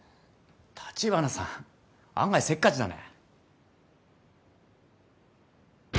城華さん案外せっかちだね。